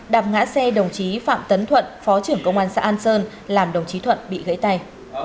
đạp ngã xe đồng chí phạm tấn thuận phó trưởng công an xã an sơn làm đồng chí thuận bị gãy tay